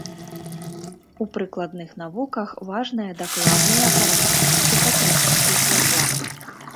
У прыкладных навуках важная дакладная характарыстыка крыніцы святла.